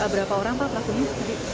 berapa orang pelakunya